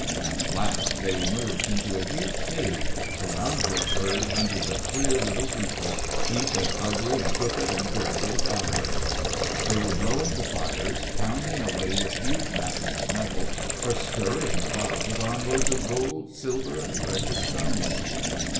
At last they emerged into a huge cave, around which hurried hundreds of queer little people, each as ugly and crooked and dirty as Alberich. They were blowing the fires, pounding away upon huge masses of metal, or scurrying about with arm loads of gold, silver, and precious stones.